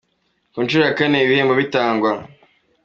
Ni ku nshuro ya kane ibi bihembo bitangwa,.